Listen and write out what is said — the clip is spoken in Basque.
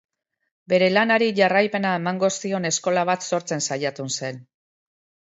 Bere lanari jarraipena emango zion eskola bat sortzen saiatu zen.